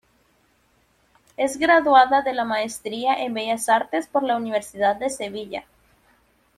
Es graduada de la maestría en Bellas Artes por la Universidad de Sevilla.